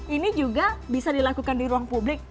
ini juga bisa dilakukan di ruang publik